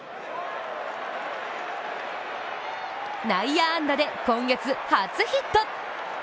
内野安打で今月初ヒット。